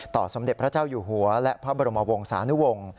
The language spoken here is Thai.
สมเด็จพระเจ้าอยู่หัวและพระบรมวงศานุวงศ์